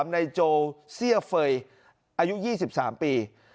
๓ไนโจวิ่งเซี้ยเฟยอายุ๒๓ปี